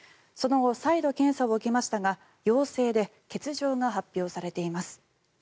その後、再度検査を受けましたが陽性で欠場が発表されています。